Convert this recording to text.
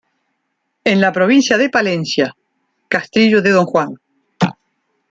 En la provincia de Palencia: Castrillo de Don Juan.